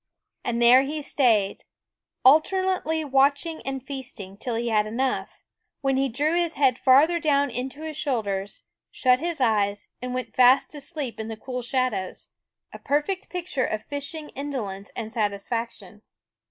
And there he stayed, alternately watch ing and feasting, till he had enough ; when he drew his head farther down into his shoulders, shut his eyes, and went fast asleep in the cool shadows, a perfect picture of fishing indolence and satisfaction.